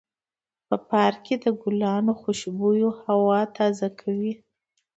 په پارک کې د ګلانو خوشبو هوا تازه کوي.